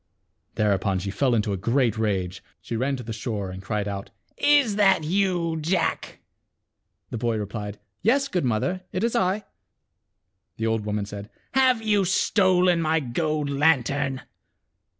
Thereupon she fell into a great rage. She ran to the shore, and cried out " Is that you, Jack ?" The boy replied, "Yes, good mother, it is I." The old woman said, "Have you stolen my gold lan tern?"